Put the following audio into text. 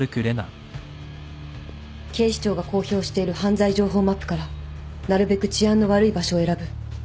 警視庁が公表している犯罪情報マップからなるべく治安の悪い場所を選ぶ。